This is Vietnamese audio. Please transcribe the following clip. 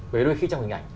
bởi đôi khi trong hình ảnh